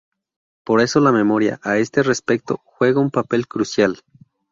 Por eso la memoria a este respecto juega un papel crucial.